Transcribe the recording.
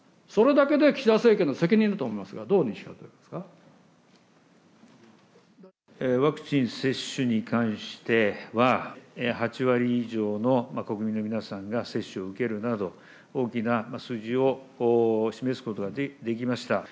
それだけで岸田政権の責任だと思いますが、ワクチン接種に関しては、８割以上の国民の皆さんが接種を受けるなど、大きな数字を示すことができました。